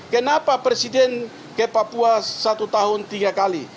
kenapa presiden ke papua satu tahun tiga kali